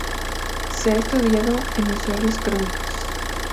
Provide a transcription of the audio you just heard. Se ha estudiado en usuarios crónicos.